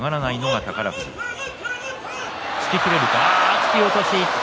突き落とし。